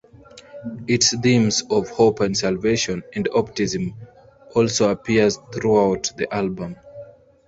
Its themes of "hope and salvation" and optimism also appear throughout the album.